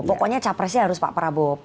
pokoknya capresnya harus pak prabowo